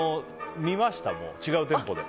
見ました、違う店舗で。